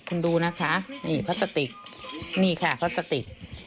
คุณดูนะคะนี่พลาสติกนี่ค่ะพลาสติก